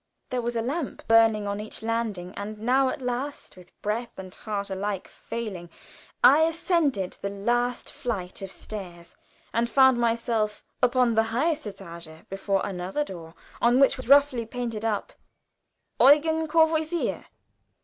There was a lamp burning on each landing; and now, at last, with breath and heart alike failing, I ascended the last flight of stairs, and found myself upon the highest étage before another door, on which was roughly painted up, "Eugen Courvoisier."